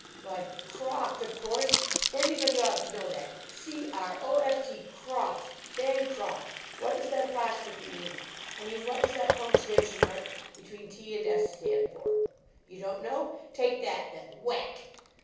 Why, croft, of course; anybody ought to know that c r o f t, croft, Bancroft! What does that apostrophe mean? I mean, what does that punctuation mark between t and s stand for? You don t know? Take that, then! (whack).